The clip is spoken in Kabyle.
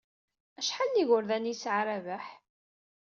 Acḥal n yigerdan ay yesɛa Rabaḥ?